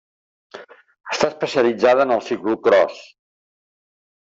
Està especialitzada en el ciclocròs.